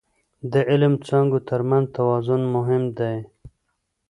د علم څانګو ترمنځ توازن مهم دی.